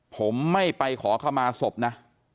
ผมไม่ไปขอขมาศพนะ